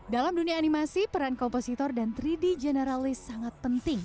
dalam dunia animasi peran kompositor dan tiga d generalist sangat penting